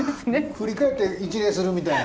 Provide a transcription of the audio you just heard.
振り返って一礼するみたいな。